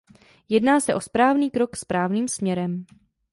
Jedná se o správný krok správným směrem.